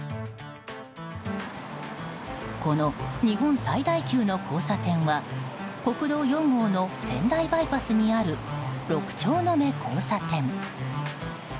この日本最大級の交差点は国道４号の仙台バイパスにある六丁目交差点。